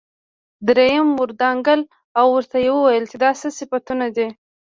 دريم ور ودانګل او ورته يې وويل چې دا څه صفتونه دي.